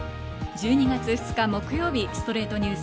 １２月２日、木曜日、『ストレイトニュース』。